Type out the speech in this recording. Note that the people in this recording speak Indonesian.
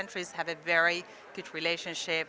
negara negara memiliki hubungan yang sangat baik